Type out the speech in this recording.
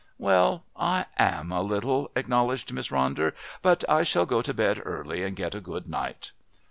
"Well, I am a little," acknowledged Miss Ronder. "But I shall go to bed early and get a good night."